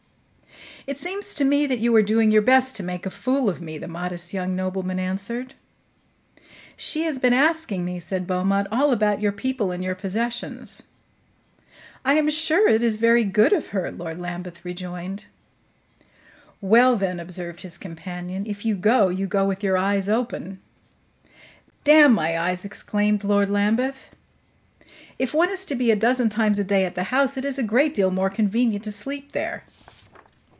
"It seems to me you are doing your best to make a fool of me," the modest young nobleman answered. "She has been asking me," said Beaumont, "all about your people and your possessions." "I am sure it is very good of her!" Lord Lambeth rejoined. "Well, then," observed his companion, "if you go, you go with your eyes open." "Damn my eyes!" exclaimed Lord Lambeth. "If one is to be a dozen times a day at the house, it is a great deal more convenient to sleep there.